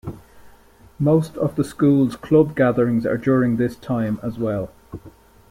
Most of the school's club gatherings are during this time as well.